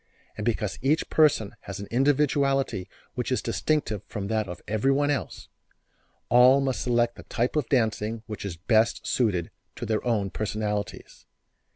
And because each person has an individuality which is distinctive from that of everyone else, all must select the type of dancing which is best suited to their own personalities.